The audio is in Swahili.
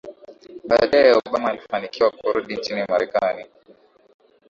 Baadae Obama alifanikiwa kurudi nchini Marekani